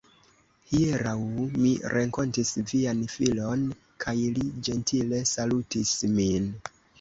Hieraŭ mi renkontis vian filon, kaj li ĝentile salutis min.